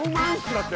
だって